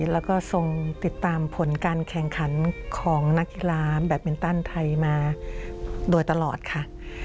แล้วก็ทรงติดตามผลการแข่งขันของนักกีฬาแบตมินตันไทยมาโดยตลอดค่ะ